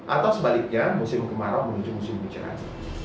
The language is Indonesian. atau sebaliknya musim kemarau menuju musim hujan